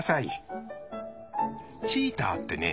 チーターってね